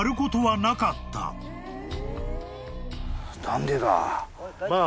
何でだ？